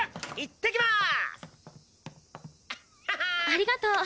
ありがとう。